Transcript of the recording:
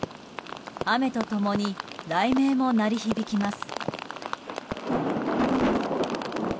雨と共に雷鳴も鳴り響きます。